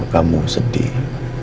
saya tahu kamu sedih